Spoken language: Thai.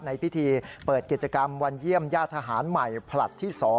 ในพิธีเปิดกิจกรรมวันเยี่ยมญาติทหารใหม่ผลัดที่๒